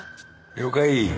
了解。